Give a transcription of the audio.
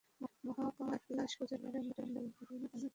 মহা কালাশ পূজার দিন ছেলেরা মেয়েটাকে অপহরণের প্ল্যান করছে।